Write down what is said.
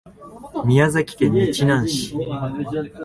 宮崎県日南市